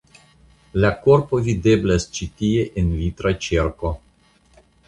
La korpo videblas ĉi tie en vitra ĉerko.